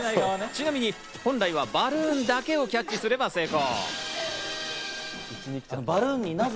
ちなみに本来はバルーンだけをキャッチすれば成功。